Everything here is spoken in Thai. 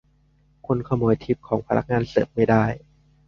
คุณขโมยทิปของพนักงานเสิร์ฟไม่ได้ !